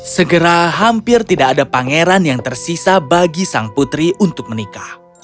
segera hampir tidak ada pangeran yang tersisa bagi sang putri untuk menikah